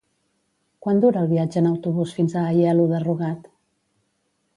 Quant dura el viatge en autobús fins a Aielo de Rugat?